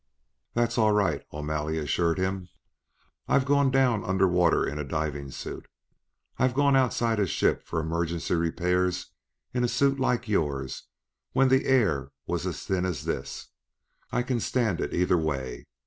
"That's all right," O'Malley assured him; "I've gone down under water in a diving suit; I've gone outside a ship for emergency repairs in a suit like yours when the air was as thin as this; I can stand it either way.